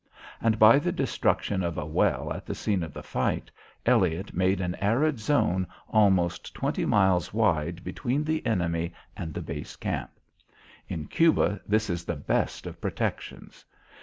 And by the destruction of a well at the scene of the fight, Elliott made an arid zone almost twenty miles wide between the enemy and the base camp. In Cuba this is the best of protections.